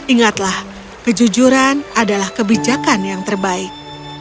ingatlah kejujuran adalah kebijakan yang terbaik